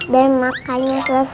dan makannya selesai